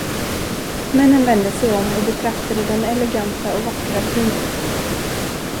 Männen vände sig om och betraktade den eleganta och vackra brunetten.